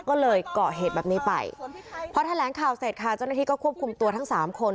ก็เลยเกาะเหตุแบบนี้ไปพอแถลงข่าวเสร็จค่ะเจ้าหน้าที่ก็ควบคุมตัวทั้งสามคน